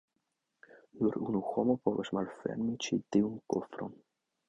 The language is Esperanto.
Nur unu homo povas malfermi ĉi tiun kofron.